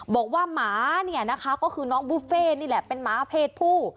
หมาเนี่ยนะคะก็คือน้องบุฟเฟ่นี่แหละเป็นหมาเพศผู้